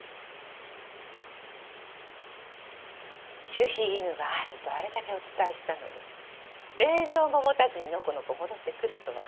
守秘義務があるとあれだけお伝えしたのに令状も持たずにのこのこ戻ってくるとは。